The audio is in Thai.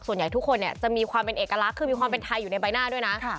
ส่วนใหญ่ทุกคนเนี่ยจะมีความเป็นเอกลักษณ์คือมีความเป็นไทยอยู่ในใบหน้าด้วยนะ